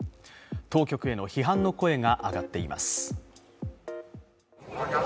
当局への批判の声が上がっています。